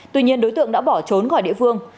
tuy nhiên đối tượng đã bỏ trốn khỏi địa phương